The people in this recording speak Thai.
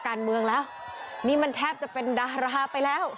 การเมืองแล้วนี่มันแทบจะเป็นดาราไปแล้ว